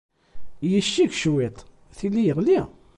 Yecceg cwiṭ, tili yeɣli.